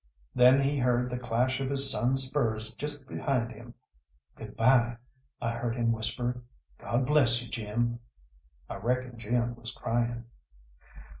Then he heard the clash of his son's spurs just behind him. "Good bye," I heard him whisper. "God bless you, Jim." I reckon Jim was crying.